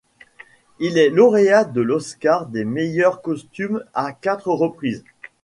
Elle est lauréate de l'Oscar des meilleurs costumes à quatre reprises.